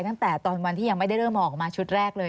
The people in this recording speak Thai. ตั้งแต่ตอนวันที่ยังไม่ได้เริ่มออกมาชุดแรกเลย